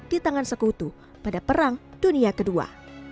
di tangan sekutu pada perang dunia ii